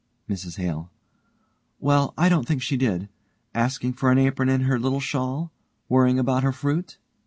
MRS HALE: Well, I don't think she did. Asking for an apron and her little shawl. Worrying about her fruit.